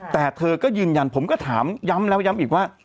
แต่เธอก็ยืนยันผมก็ถามย้ำแล้วย้ำอีกว่า